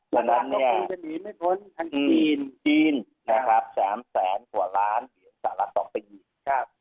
ดังนั้นเนี่ยทางจีนจีนนะครับสามแสนกว่าล้านหรือสักละสองประหยิบครับ